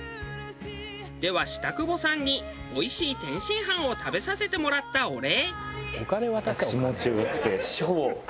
では下久保さんにおいしい天津飯を食べさせてもらったお礼。